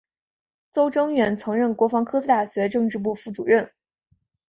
邹征远曾任国防科技大学政治部副主任。